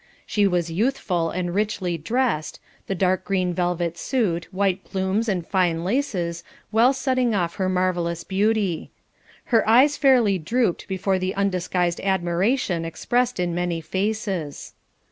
She was youthful and richly dressed, the dark green velvet suit, white plumes and fine laces, well setting off her marvellous beauty. Her eyes fairly drooped before the undisguised admiration expressed in many faces.